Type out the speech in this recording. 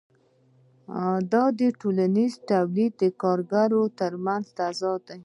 دا د ټولنیز تولید او کارګر ترمنځ تضاد دی